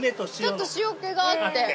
ちょっと塩気があって。